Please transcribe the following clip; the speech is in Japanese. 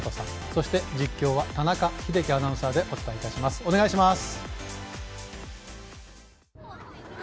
そして、実況は田中秀樹アナウンサーでお伝えいたします。